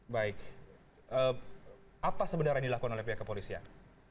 baik apa sebenarnya yang dilakukan oleh pihak kepolisian